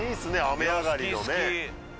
雨上がりのね